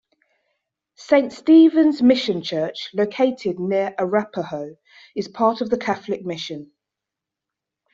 Saint Stephen's Mission Church, located near Arapahoe, is part of the Catholic mission.